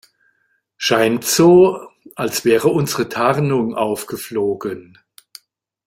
Scheint so, als wäre unsere Tarnung aufgeflogen.